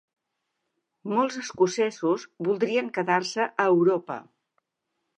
Molts escocesos voldrien quedar-se a Europa